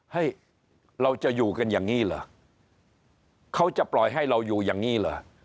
ให้เราจะอยู่กันอย่างนี้เหรอเขาจะปล่อยให้เราอยู่อย่างนี้เหรอ